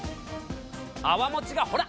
泡もちがほら！